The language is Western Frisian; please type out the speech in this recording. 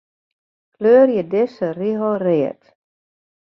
Kleurje dizze rigel read.